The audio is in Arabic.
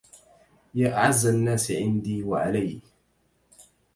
يا أعز الناس عندي وعلي